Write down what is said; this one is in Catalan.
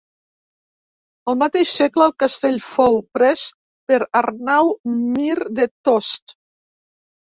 El mateix segle el castell fou pres per Arnau Mir de Tost.